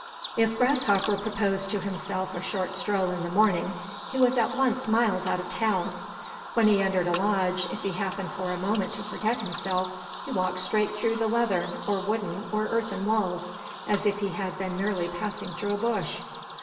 If Grasshopper proposed to himself a short stroll in the morning, he was at once miles out of town. When he entered a lodge, if he happened for a moment to forget himself, he walked straight through the leathern, or wooden, or earthen walls, as if he had been merely passing through a bush.